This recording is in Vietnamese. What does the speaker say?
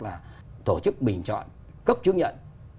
là tổ chức bình chọn cấp chứng nhận